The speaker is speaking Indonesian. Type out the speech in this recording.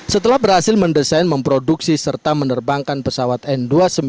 setelah berhasil mendesain memproduksi serta menerbangkan pesawat n dua ratus sembilan puluh